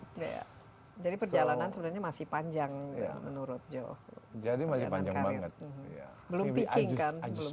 sebenarnya masih panjang menurut joe